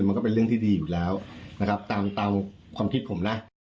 มันก็เป็นเรื่องที่ดีอยู่แล้วตามความคิดผมนะ